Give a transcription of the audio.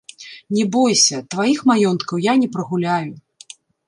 Не бойся, тваіх маёнткаў я не прагуляю.